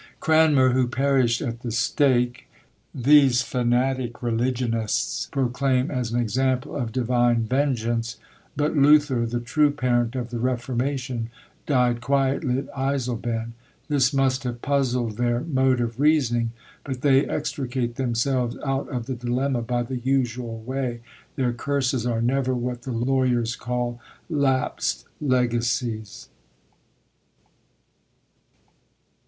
Cranmer, who perished at the stake, these fanatic religionists proclaim as an example of "divine vengeance;" but Luther, the true parent of the Reformation, "died quietly at Eisleben:" this must have puzzled their mode of reasoning; but they extricate themselves out of the dilemma by the usual way. Their curses are never what the lawyers call "lapsed legacies."